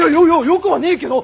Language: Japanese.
よくはねえけど！